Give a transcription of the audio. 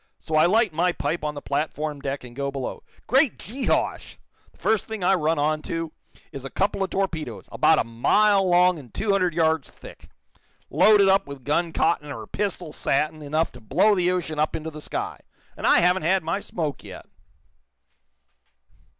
So I light my pipe on the platform deck and go below. Great Jehosh! The first thing I run on to is a couple of torpedoes, about a mile long and two hundred yards thick, loaded up with gun cotton or pistol satin enough to blow the ocean up into the sky. And I haven't had my smoke yet!"